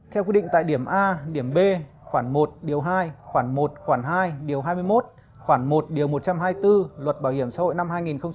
theo quy định tại điểm a điểm b khoảng một điều hai khoảng một khoảng hai điều hai mươi một khoảng một điều một trăm hai mươi bốn luật bảo hiểm xã hội năm hai nghìn một mươi bốn